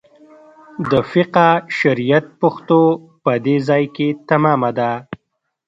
د فقه شریعت پښتو په دې ځای کې تمامه ده.